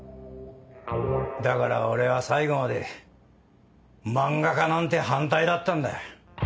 だから俺は最後まで漫画家なんて反対だったんだ。